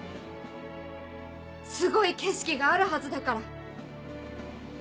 すごい景色があるはずだから。